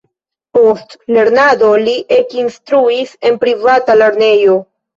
Post lernado li ekinstruis en privata lernejo.